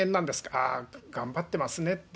ああ、頑張ってますねって。